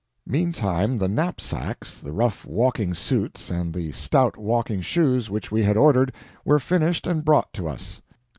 Meantime the knapsacks, the rough walking suits and the stout walking shoes which we had ordered, were finished and brought to us.